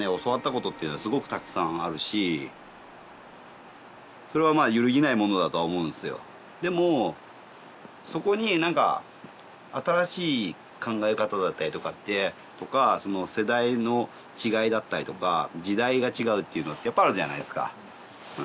ことっていうのすごくたくさんあるしそれは揺るぎないものだとは思うんすよでもそこに何か新しい考え方だったりとかその世代の違いだったりとか時代が違うっていうのってやっぱりあるじゃないっすかな